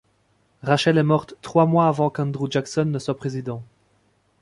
Rachel est morte trois mois avant qu'Andrew Jackson ne soit président.